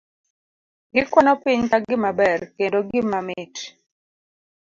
Gikwano piny ka gimaber, kendo gima mit.